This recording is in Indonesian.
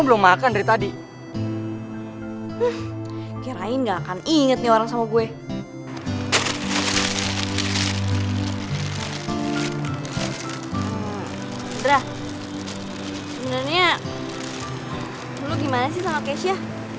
lu gimana sih sama keisha